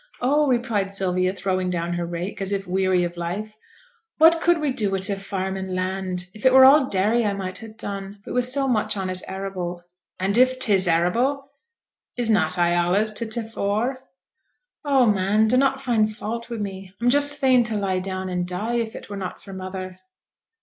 'Oh!' replied Sylvia, throwing down her rake, as if weary of life. 'What could we do wi' t' farm and land? If it were all dairy I might ha' done, but wi' so much on it arable.' 'And if 'tis arable is not I allays to t' fore?' 'Oh, man, dunnot find fault wi' me! I'm just fain to lie down and die, if it were not for mother.'